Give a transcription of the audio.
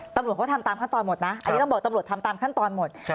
ตำรวจเขาทำตามขั้นตอนหมดนะอันนี้ต้องบอกตำรวจทำตามขั้นตอนหมด